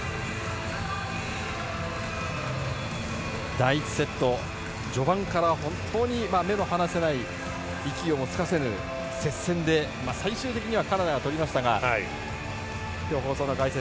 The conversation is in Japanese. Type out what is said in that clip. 第１セット序盤から本当に目を離せない息をつかせぬ接戦で最終的にはカナダが取りましたが今日の放送の解説